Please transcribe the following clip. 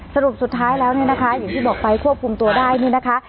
สรุปสุดท้ายแล้วเนี่ยนะคะอย่างที่บอกไปควบคุมตัวได้นี่นะคะ